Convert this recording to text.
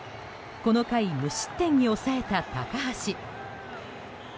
この回、無失点に抑えた高橋。